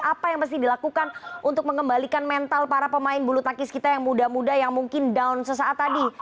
apa yang mesti dilakukan untuk mengembalikan mental para pemain bulu tangkis kita yang muda muda yang mungkin down sesaat tadi